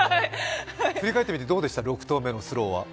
振り返ってみてどうでしたか６投目のスローは。